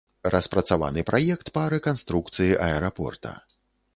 Распрацаваны праект па рэканструкцыі аэрапорта.